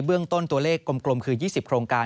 เรื่องต้นตัวเลขกลมคือ๒๐โครงการ